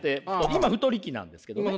今太り期なんですけどね。